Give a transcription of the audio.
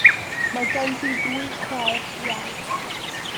Mae ganddi ddwy chwaer iau.